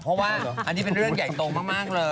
เพราะว่าอันนี้เป็นเรื่องใหญ่โตมากเลย